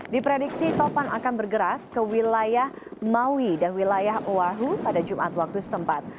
diprediksi topan akan bergerak ke wilayah maui dan wilayah oahu pada jumat waktu setempat